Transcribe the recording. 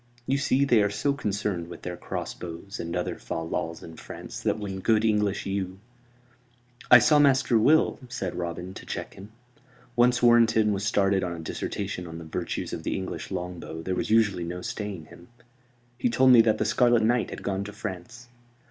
You see, they are so concerned with their crossbows and other fal lals in France that when good English yew " "I saw Master Will," said Robin, to check him. Once Warrenton was started on a dissertation on the virtues of the English longbow there was usually no staying him. "He told me that the Scarlet Knight had gone to France."